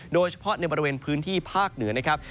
โดยเฉพาะในบริเวณพื้นที่ภาคเหนือนะครับ